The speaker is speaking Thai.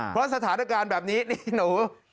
เพราะสถานการณ์แบบนี้นี่หนู